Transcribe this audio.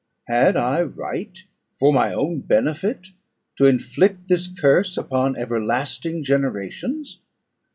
Had I right, for my own benefit, to inflict this curse upon everlasting generations?